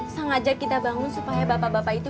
sengaja kita bangun supaya bapak bapak itu